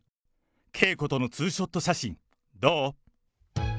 ＫＥＩＫＯとのツーショット写真、どう？